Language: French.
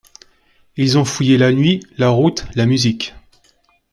Ils ont fouillé la nuit, la route, la musique.